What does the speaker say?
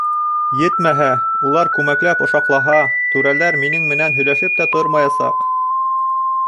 Етмәһә, улар күмәкләп ошаҡлаһа, түрәләр минең менән һөйләшеп тә тормаясаҡ.